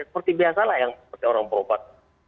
seperti biasa lah yang orang perubat